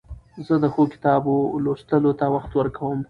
زه د ښو کتابو لوستلو ته وخت ورکوم.